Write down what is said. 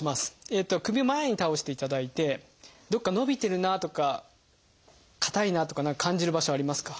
首を前に倒していただいてどっか伸びてるなとか硬いなとか何か感じる場所ありますか？